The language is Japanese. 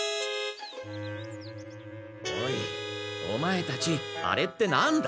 おいオマエたちあれってなんだ？